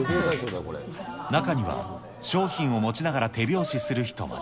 中には、商品を持ちながら手拍子する人も。